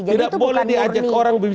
jadi itu bukan murni